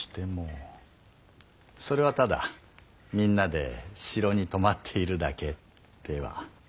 それはただみんなで城に泊まっているだけでは？